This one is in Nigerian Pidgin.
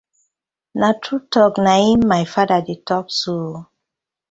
Na true talk na im my father de talk so.